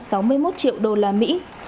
tăng gần một trăm sáu mươi một triệu đô la mỹ